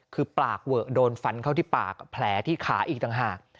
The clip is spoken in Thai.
คือปากเวอะโดนฟันเข้าที่ปากแผลที่ขาอีกต่างหาก